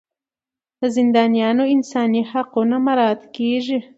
د زندانیانو انساني حقونه مراعات کیږي.